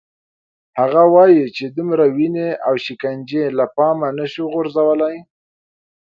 هغه وايي چې دومره وینې او شکنجې له پامه نه شو غورځولای.